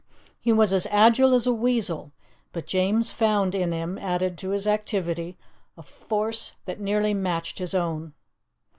He was as agile as a weasel, but James found in him, added to his activity, a force that nearly matched his own.